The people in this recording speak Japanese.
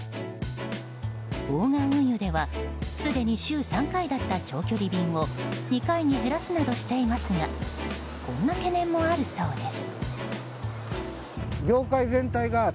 大賀運輸ではすでに週３回だった長距離便を２回に減らすなどしていますがこんな懸念もあるそうです。